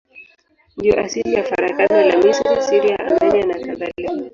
Ndiyo asili ya farakano la Misri, Syria, Armenia nakadhalika.